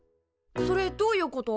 それどういうこと？